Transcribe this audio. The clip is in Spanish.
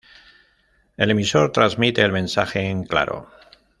El emisor transmite el mensaje en claro.